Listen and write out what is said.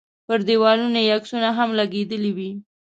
پر دیوالونو یې عکسونه هم لګېدلي وي.